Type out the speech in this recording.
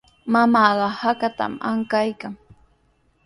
Mamaaqa hakatami ankaykan.